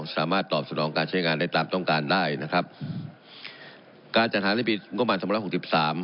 สามารถตอบสนองการใช้งานได้ตามต้องการได้นะครับการจัดหารายปีก้มบันสมรรถหกสิบสาม